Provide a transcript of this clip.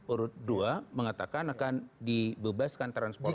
urut dua mengatakan akan dibebaskan transportasi